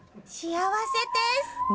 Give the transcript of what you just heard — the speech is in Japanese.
幸せです。